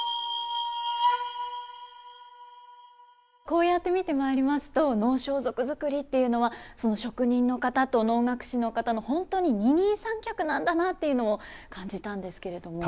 こうやって見てまいりますと能装束作りっていうのはその職人の方と能楽師の方の本当に二人三脚なんだなっていうのを感じたんですけれども。